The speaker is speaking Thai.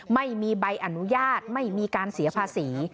ไม่มีใบอนุญาตไม่มีการเสียภาษี